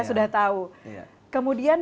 sudah tahu kemudian